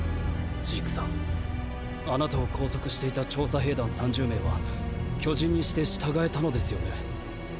ジークさんあなたを拘束していた調査兵団３０名は巨人にして従えたのですよね？